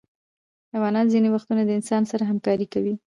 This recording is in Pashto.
حیوانات ځینې وختونه د انسان سره همکاري کوي.